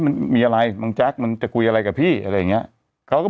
มันมีอะไรบางแจ๊คมันจะคุยอะไรกับพี่อะไรอย่างเงี้ยเขาก็